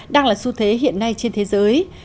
đang là xu thế hiện nay trên thế giới